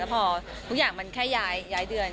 พอทุกอย่างมันแค่ย้ายเดือน